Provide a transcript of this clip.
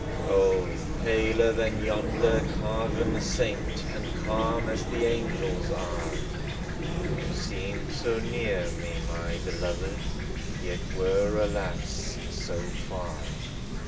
O, paler than yonder carven saint, And calm as the angels are. You seemed so near me, my beloved, Yet were, alas, so far